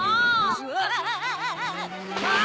うわ。